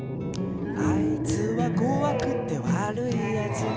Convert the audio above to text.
「あいつはこわくて悪いやつ」